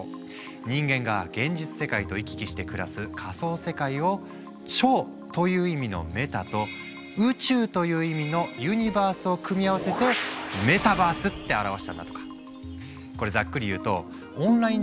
人間が現実世界と行き来して暮らす仮想世界を「超」という意味のメタと「宇宙」という意味のユニバースを組み合わせてメタバースって表したんだとか。